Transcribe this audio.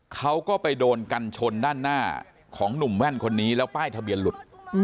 เขาก็ไปโดนกันชนด้านหน้าของหนุ่มแว่นคนนี้แล้วป้ายทะเบียนหลุด